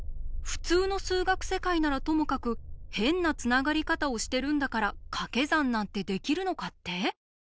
普通の数学世界ならともかく変なつながり方をしてるんだからかけ算なんてできるのかって？